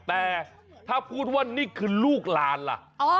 แต่ถ้าพูดว่านี่คือลูกหลานล่ะ